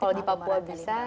kalau di papua bisa